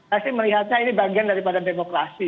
dan pasti melihatnya ini bagian dari badan demokrasi